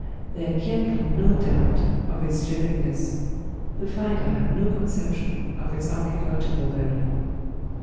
There can be no doubt of its genuineness. The finder had no conception of its archæological value.